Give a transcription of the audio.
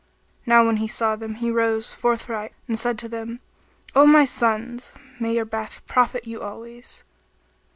Now when he saw them he rose forthright and said to them, "O my sons, may your bath profit you always!"